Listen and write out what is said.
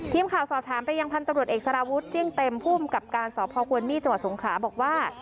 ทีมข่าวสอบถามไปยังพันธุ์ตำรวจเอกสารวุฒิเจียงเต็มภูมิกับการสพควรมี่จังหวัดสงขลาบอกว่า